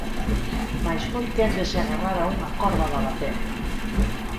Mais foi quen de se agarrar a unha corda da batea.